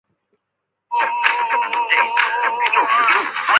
以传授牛若丸剑术的传说广为人知。